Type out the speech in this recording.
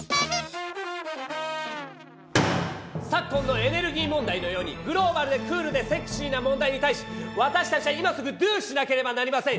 昨今のエネルギー問題のようにグローバルでクールでセクシーな問題に対し私たちは今すぐドゥしなければなりません！